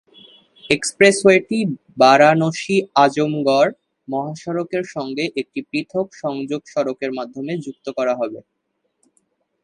এক্সপ্রেসওয়েটি বারাণসী-আজমগড় মহাসড়কের সঙ্গে একটি পৃথক সংযোগ সড়কের মাধ্যমে যুক্ত করা হবে।